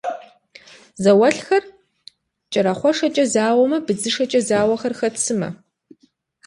Зауэлӏхэр кӏэрахъуэшэкӏэ зауэмэ, быдзышэкӏэ зауэхэр хэт сымэ?